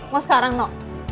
masuk sekarang nino